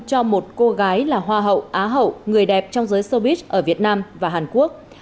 cho một cô gái là hoa hậu á hậu người đẹp trong giới sobit ở việt nam và hàn quốc